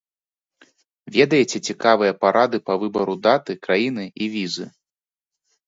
Ведаеце цікавыя парады па выбару даты, краіны і візы?